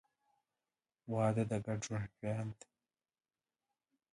• واده د ګډ ژوند پیل دی.